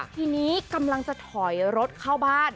ทีนี้กำลังจะถอยรถเข้าบ้าน